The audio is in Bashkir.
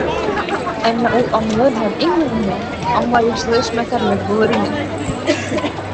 Әммә ул аңлы һәм, иң мөһиме, аңлайышлы эшмәкәрлек булыр ине.